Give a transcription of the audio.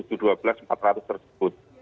itu dua belas empat ratus tersebut